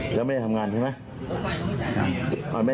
แล้วไม่ได้ทำงานใช่ไหม